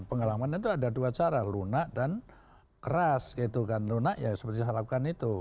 pengalaman itu ada dua cara lunak dan keras gitu kan lunak ya seperti saya lakukan itu